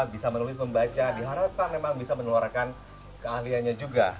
bisa menulis membaca diharapkan memang bisa meneluarkan keahliannya juga